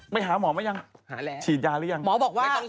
ไปหาหมอมั้ยยังฉีดยาหรือยัง